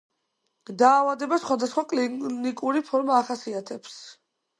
დაავადებას სხვადასხვა კლინიკური ფორმა ახასიათებს.